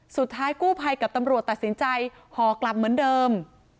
สุดท้ายกู้ภัยกับตำรวจตัดสินใจห่อกลับเหมือนเดิม